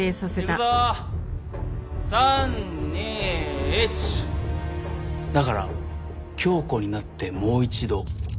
だからキョウコになってもう一度。